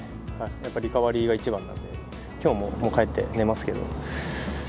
やっぱりリカバリーが一番なんで、きょうももう、帰って寝ますけど。